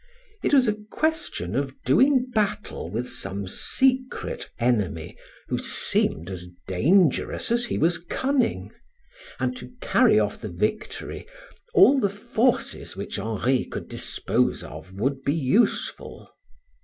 It was a question of doing battle with some secret enemy who seemed as dangerous as he was cunning; and to carry off the victory, all the forces which Henri could dispose of would be useful.